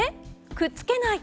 くっつけない。